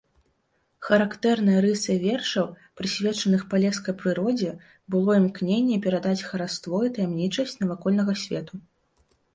Характэрнай рысай вершаў, прысвечаных палескай прыродзе, было імкненне перадаць хараство і таямнічасць навакольнага свету.